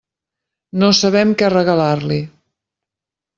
No sabem què regalar-li.